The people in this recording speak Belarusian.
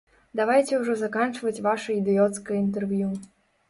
Давайце ўжо заканчваць ваша ідыёцкае інтэрв'ю.